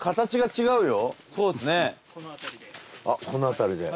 この辺りで。